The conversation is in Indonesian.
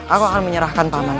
aku akan menyerahkan paman